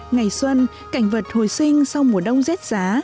ngày xuân cảnh vật hồi sinh sau mùa đông rết giá